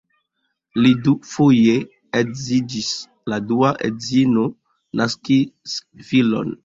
Li dufoje edziĝis, la dua edzino naskis filon.